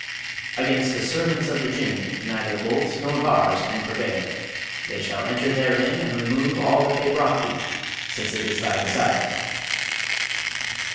"Against the servants of the Jinn neither bolts nor bars can prevail. They shall enter therein and remove all that they brought thee, since it is thy desire."